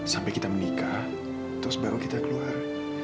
sampai kita menikah terus baru kita keluar